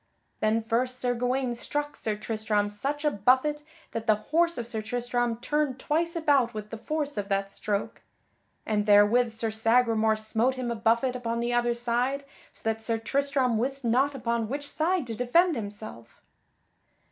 Then first Sir Gawaine struck Sir Tristram such a buffet that the horse of Sir Tristram turned twice about with the force of that stroke; and therewith Sir Sagramore smote him a buffet upon the other side so that Sir Tristram wist not upon which side to defend himself.